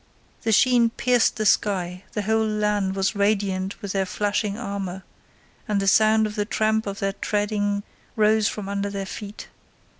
The sheen pierced the sky, the whole land was radiant with their flashing armour, and the sound of the tramp of their treading rose from under their feet.